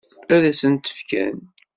Ad s-t-fken?